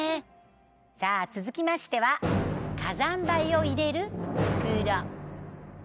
さあ続きましては「火山灰」を入れる袋。